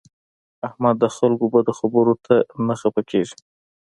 احمد د خلکو بدو خبرو ته نه خپه کېږي.